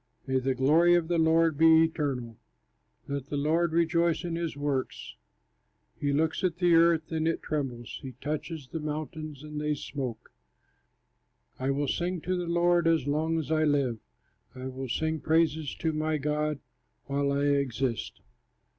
May the glory of the Lord be eternal, Let the Lord rejoice in his works. He looks at the earth, and it trembles, He touches the mountains, and they smoke. I will sing to the Lord as long as I live, I will sing praise to my God while I exist.